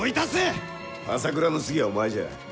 朝倉の次はお前じゃ。